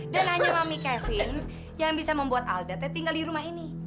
dan hanya mami kevin yang bisa membuat alda tinggal di rumah ini